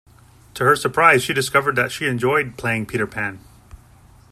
To her surprise, she discovered that she enjoyed playing Peter Pan.